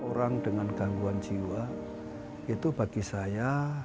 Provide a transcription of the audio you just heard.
orang dengan gangguan jiwa itu bagi saya